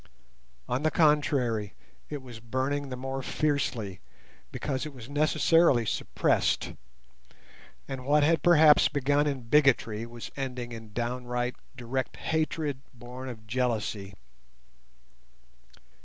On the contrary, it was burning the more fiercely because it was necessarily suppressed, and what had perhaps begun in bigotry was ending in downright direct hatred born of jealousy.